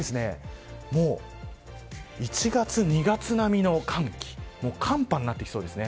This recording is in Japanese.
ここは、１月、２月並みの寒気寒波になってきそうですね。